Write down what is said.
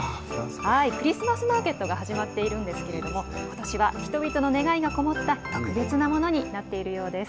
クリスマスマーケットが始まっているんですけれどもことしは人々の願いがこもった特別なものになっているようです。